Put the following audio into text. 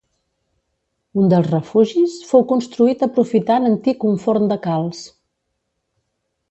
Un dels refugis fou construït aprofitant antic un forn de calç.